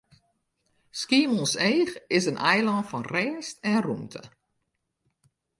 Skiermûntseach is in eilân fan rêst en rûmte.